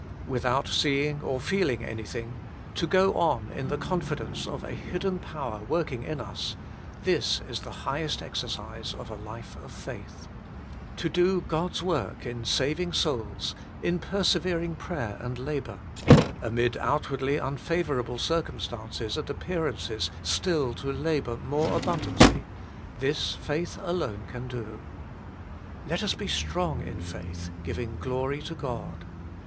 Without seeing or feeling anything, to go on in the confidence of a hidden power working in us — this is the highest exercise of a life of faith. To do God's own work in saving souls, in per severing prayer and labour ; amid outwardly unfavourable circumstances and appear ances still to labour more abundantly — this faith alone can do. Let us be strong in faith, giving glory to God.